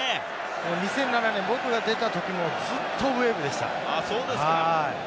２００７年、僕が出たときもずっとウェーブでした。